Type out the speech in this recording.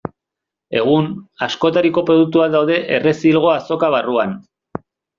Egun, askotariko produktuak daude Errezilgo Azoka barruan.